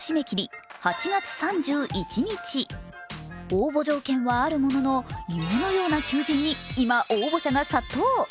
応募条件はあるものの夢のような求人に、今、応募者が殺到。